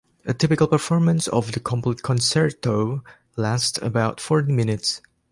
A typical performance of the complete concerto lasts about forty minutes.